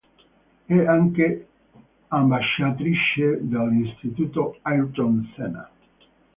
È anche ambasciatrice dell'Istituto "Ayrton Senna".